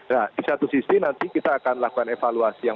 nah di satu sisi nanti kita akan lakukan evaluasi